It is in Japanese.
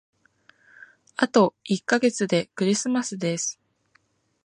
あと一ヶ月でクリスマスです。